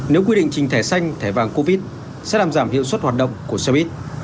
nếu quy định trình thẻ xanh thẻ vàng covid sẽ làm giảm hiệu suất hoạt động của xe buýt